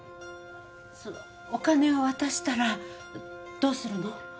そのお金を渡したらどうするの？